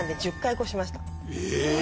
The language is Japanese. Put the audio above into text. え！